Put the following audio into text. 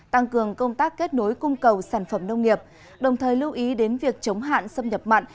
tăng cường công tác kết nối cung cầu sản phẩm nông nghiệp đồng thời lưu ý đến việc chống hạn xâm nhập mặn